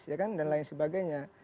ya kan dan lain sebagainya